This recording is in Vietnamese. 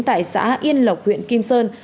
tại xã yên lộc huyện kim sơn